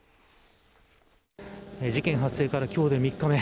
事件発生から今日で３日目。